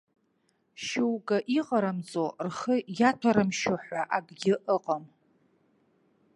Шьоукы иҟарымҵо, рхы иаҭәарымшьо ҳәа акгьы ыҟам.